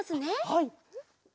はい。